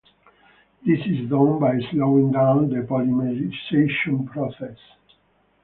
This is done by slowing down the polymerisation process.